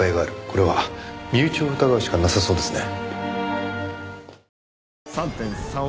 これは身内を疑うしかなさそうですね。